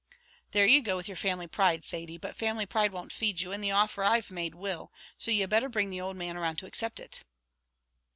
"There you go with your family pride, Thady; but family pride won't feed you, and the offer I've made will; so you'd better bring the old man round to accept it."